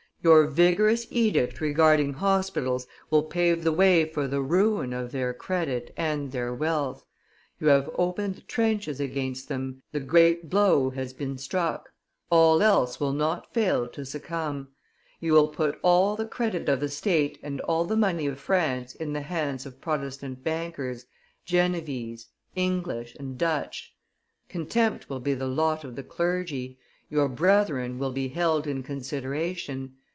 Your vigorous edict regarding hospitals will pave the way for the ruin of their credit and their wealth; you have opened the trenches against them, the great blow has been struck. All else will not fail to succumb; you will put all the credit of the state and all the money of France in the hands of Protestant bankers, Genevese, English, and Dutch. Contempt will be the lot of the clergy, your brethren will be held in consideration.